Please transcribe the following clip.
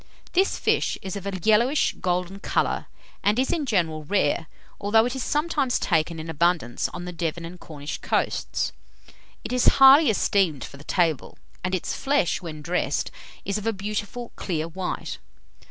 This fish is of a yellowish golden colour, and is, in general, rare, although it is sometimes taken in abundance on the Devon and Cornish coasts. It is highly esteemed for the table, and its flesh, when dressed, is of a beautiful clear white.